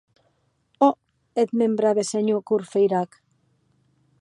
Òc, eth mèn brave senhor Courfeyrac.